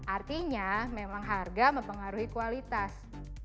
artinya memang harga mempengaruhi kualitas